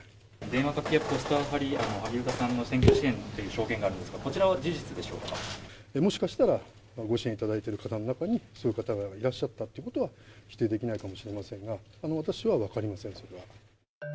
電話かけやポスター貼りなど、萩生田さんの選挙支援という証言がありますが、こちらは事実でしもしかしたらご支援いただいている方の中に、そういう方がいらっしゃったということは否定できないかもしれませんが、私は分かりません、それは。